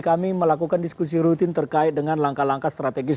kami melakukan diskusi rutin terkait dengan langkah langkah strategis